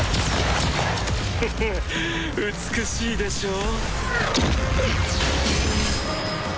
フフ美しいでしょう？